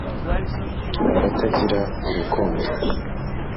abatagira urukundo